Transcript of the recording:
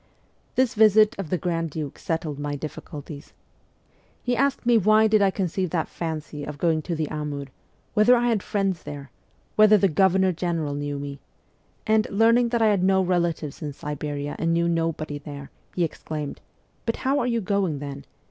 This visit of the grand duke settled my difficulties. He asked me why did I conceive that fancy of going to the Amur whether I had friends there ? whether the Governor General knew me? and, learning that I had no relatives in Siberia and knew nobody there, he exclaimed, ' But how are you going, then